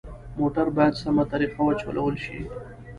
موټر باید سمه طریقه وچلول شي.